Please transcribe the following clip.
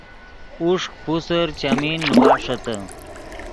اوݰک پوسر چیمین نیواݰیتے